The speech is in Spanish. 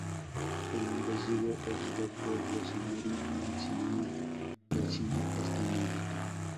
El hombre ciego, herido por Rosemary, insinúa que el cine está maldito.